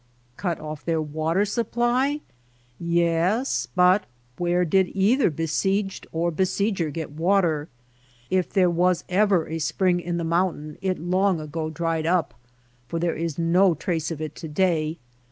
Cut off their water supply ? Yes ; but THE APPKOACH 11 where did either besieged or besieger get water? If there was ever a spring in the mountain it long ago dried np, for there is no trace of it to day.